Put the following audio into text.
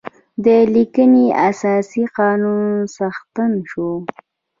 د لیکلي اساسي قانون څښتن شو.